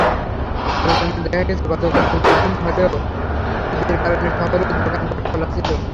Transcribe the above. সরেজমিনে দেখা গেছে, গতকাল ছুটির দিন হলেও ঈদের কারণে শহরের দোকানপাট খোলা ছিল।